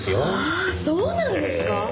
ああそうなんですか？